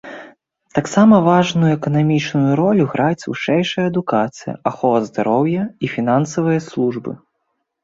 Таксама важную эканамічную ролю граюць вышэйшая адукацыя, ахова здароўя і фінансавыя службы.